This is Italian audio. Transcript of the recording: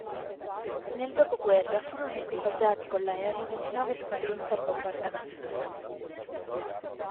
Nel dopoguerra furono equipaggiati con l'aereo ventinove Squadron da bombardamento.